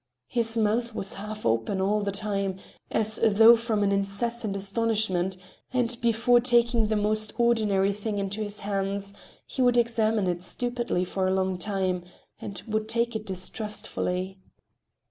His mouth was half open all the time, as though from incessant astonishment, and before taking the most ordinary thing into his hands, he would examine it stupidly for a long time, and would take it distrustfully.